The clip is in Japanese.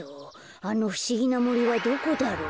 あのふしぎなもりはどこだろう？